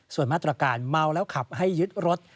ส่วนมาตรการเมาแล้วขับให้ยึดรถ